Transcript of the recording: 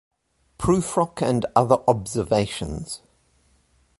"Prufrock and other observations".